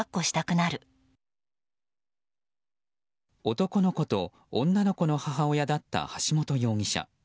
男の子と女の子の母親だった橋本容疑者。